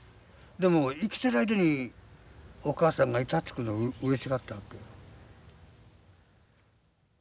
でも生きてる間にお母さんがいたってことがうれしかったわけよ。